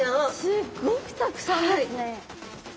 すっごくたくさんですね。